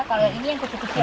kalau ini yang kecil kecil ya